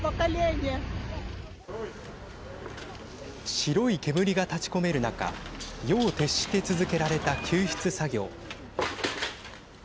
白い煙が立ち込める中夜を徹して続けられた救出作業。